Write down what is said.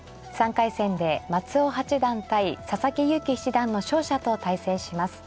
３回戦で松尾八段対佐々木勇気七段の勝者と対戦します。